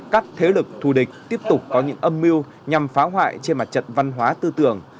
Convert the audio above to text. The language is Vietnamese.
các thế lực thù địch tiếp tục có những âm mưu nhằm phá hoại trên mặt trận văn hóa tư tưởng